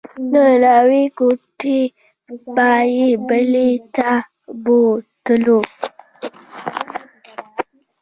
له یوې کوټې به یې بلې ته بوتلو.